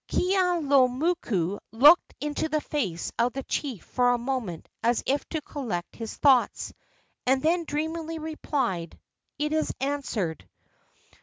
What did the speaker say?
Keaulumoku looked into the face of the chief for a moment as if to collect his thoughts, and then dreamily replied: "It is answered!"